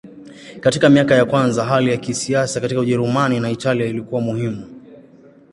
Katika miaka ya kwanza hali ya kisiasa katika Ujerumani na Italia ilikuwa muhimu.